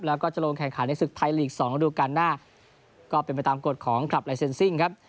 แล้วก็จะลงแข่งขันในศึกไทยลีกสองระดูการหน้าก็เป็นไปตามกฎของคลับลายเซ็นซิ่งครับ